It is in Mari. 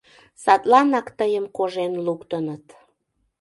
Садланак тыйым кожен луктыныт.